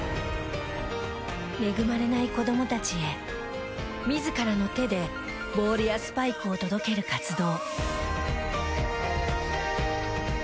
恵まれない子どもたちへ自らの手でボールやスパイクを届ける活動。